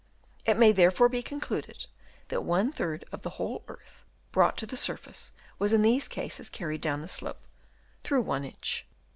It may therefore be concluded that one third of the whole earth brought to the surface was in these cases carried down the slope through one inch.